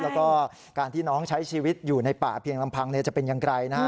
แล้วก็การที่น้องใช้ชีวิตอยู่ในป่าเพียงลำพังจะเป็นอย่างไรนะฮะ